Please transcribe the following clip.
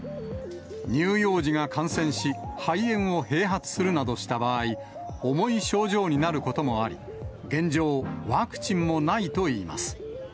乳幼児が感染し、肺炎を併発するなどした場合、重い症状になることもあり、現状、ワクチンもないといいます。